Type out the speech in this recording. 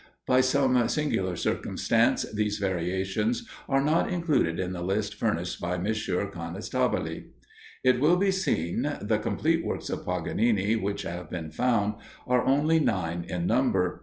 By some singular circumstance these variations are not included in the list furnished by M. Conestabile. It will be seen the complete works of Paganini, which have been found, are only nine in number.